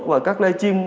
và các live stream